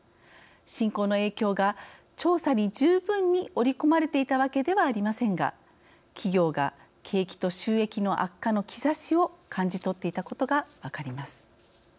侵攻の影響が調査に十分に織り込まれていたわけではありませんが企業が景気と収益の悪化の兆しを感じ取っていたことが分かります。